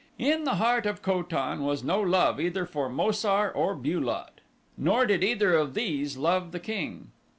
In the heart of Ko tan was no love either for Mo sar, or Bu lot, nor did either of these love the king.